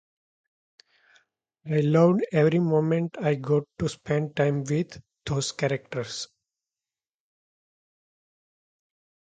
I loved every moment I got to spend time with those characters.